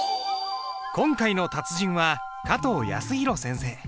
今回の達人は加藤泰弘先生。